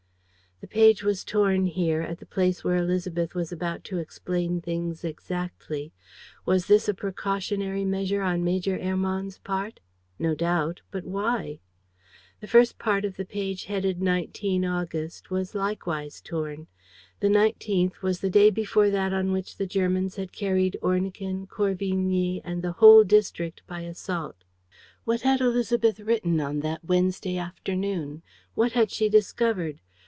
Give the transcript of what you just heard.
..." The page was torn here, at the place where Élisabeth was about to explain things exactly. Was this a precautionary measure on Major Hermann's part? No doubt; but why? The first part of the page headed 19 August was likewise torn. The nineteenth was the day before t on which the Germans had carried Ornequin, Corvigny and the whole district by assault. What had Élisabeth written on that Wednesday afternoon? What had she discovered?